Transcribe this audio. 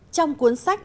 trong cuốn sách